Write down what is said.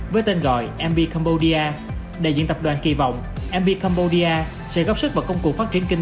với tên gọi mb combodia đại diện tập đoàn kỳ vọng mb combodia sẽ góp sức vào công cụ phát triển kinh